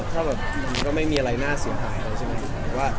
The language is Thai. ถ้าแบบมันก็ไม่มีอะไรน่าเสียหายเลยใช่ไหม